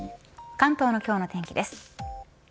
関東の今日の天気です。